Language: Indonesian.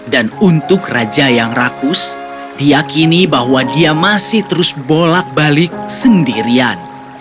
dan untuk raja yang rakus diakini bahwa dia masih terus bolak balik sendirian